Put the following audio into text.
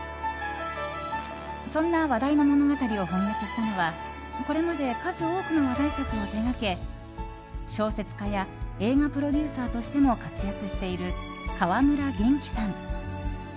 そんな話題の物語を翻訳したのはこれまで数多くの話題作を手掛け小説家や映画プロデューサーとしても活躍している、川村元気さん。